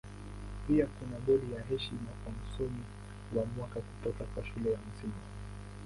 Pia kuna bodi ya heshima kwa Msomi wa Mwaka kutoka kwa Shule ya Msingi.